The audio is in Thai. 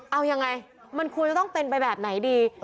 เอายังไงมันควรจะต้องเป็นไปแบบไหนดี